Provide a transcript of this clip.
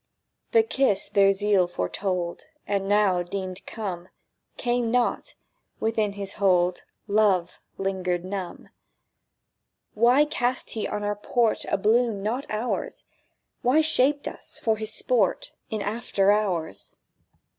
The kiss their zeal foretold, And now deemed come, Came not: within his hold Love lingered numb. Why cast he on our port A bloom not ours? Why shaped us for his sport In after hours?